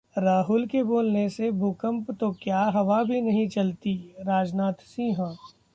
राहुल के बोलने से भूकंप तो क्या हवा भी नहीं चलती: राजनाथ सिंह